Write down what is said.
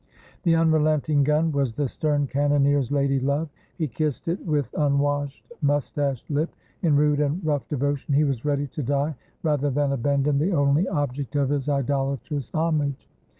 The unrelenting gun was the stern cannoneer's lady love. He kissed it with unwashed, mustached lip. In rude and rough devotion he was ready to die rather than abandon the only object of his idolatrous homage.